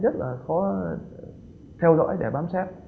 rất là khó theo dõi để bám sát